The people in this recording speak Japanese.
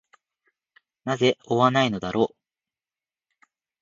なぜ終わないのだろう。